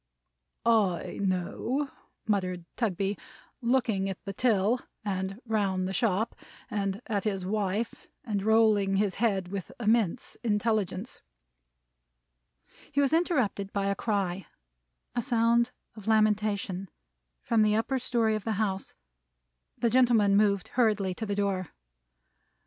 "I know," muttered Mr. Tugby, looking at the till, and round the shop, and at his wife; and rolling his head with immense intelligence. He was interrupted by a cry a sound of lamentation from the upper story of the house. The gentleman moved hurriedly to the door.